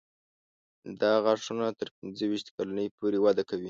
دا غاښونه تر پنځه ویشت کلنۍ پورې وده کوي.